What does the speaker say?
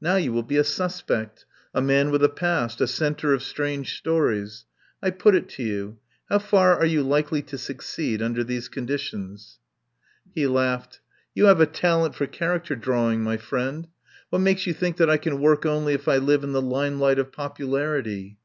Now you will be a suspect, a man with a past, a centre of strange stories. I put it to you — how far are you likely to succeed under these conditions?" 193 THE POWER HOUSE He laughed. "You have a talent for character drawing, my friend. What makes you think that I can work only if I live in the limelight of popu larity?"